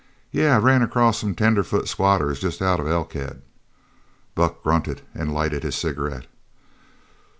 "Yeh. Ran across some tenderfoot squatters jest out of Elkhead." Buck grunted and lighted his cigarette.